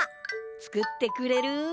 つくってくれる？